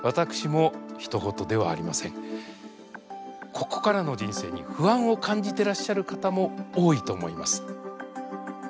ここからの人生に不安を感じてらっしゃる方も多いと思います。